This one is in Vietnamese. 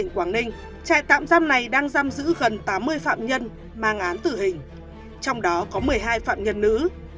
quảng ninh trại tạm giam này đang giam giữ gần tám mươi phạm nhân mang án tử hình trong đó có một mươi hai phạm nhân nữ